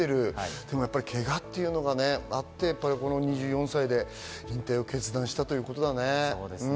でもやっぱり、けがっていうのがあって、２４歳で引退を決断したということだね。